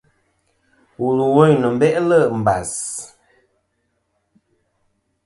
Wùl ɨ̀ wèyn nɨ̀n beʼlɨ̂ mbàs.